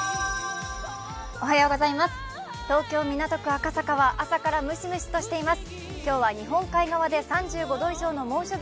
東京・港区赤坂は朝からムシムシとしています。